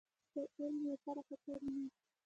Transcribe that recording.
د علم لپاره هڅه اړین ده